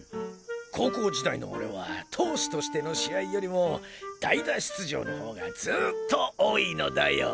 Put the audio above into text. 高校時代の俺は投手としての試合よりも代打出場の方がずっと多いのだよ！